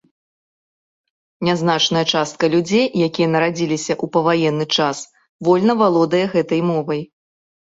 Нязначная частка людзей, якія нарадзіліся ў паваенны час, вольна валодае гэтай мовай.